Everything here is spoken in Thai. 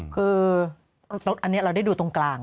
คืออันนี้เราได้ดูตรงกลาง